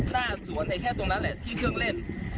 แล้วตรงนั้นแหละที่เครื่องเล่น